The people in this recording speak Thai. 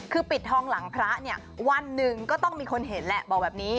คือปิดทองหลังพระเนี่ยวันหนึ่งก็ต้องมีคนเห็นแหละบอกแบบนี้